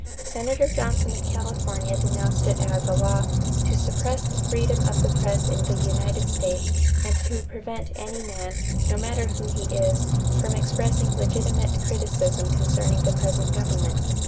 Senator Johnson of California denounced it as a law "to suppress the freedom of the press in the United States and to prevent any man, no matter who he is, from expressing legitimate criticism concerning the present government."